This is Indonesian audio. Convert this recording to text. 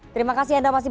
terima kasih anda mas ibran